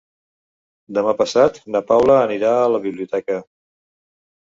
Demà passat na Paula anirà a la biblioteca.